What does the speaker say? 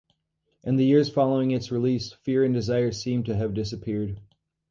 In the years following its release, "Fear and Desire" seemed to have disappeared.